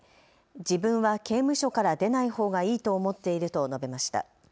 自分は刑務所から出ないほうがいいと思っていると述べました。